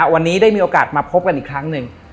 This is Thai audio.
วันนี้ได้มีโอกาสมาพบกันอีกครั้งหนึ่ง